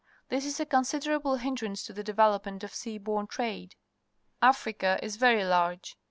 This is a considerable hin drance to the devel opment of .sea borne trade. .^Africa is very large.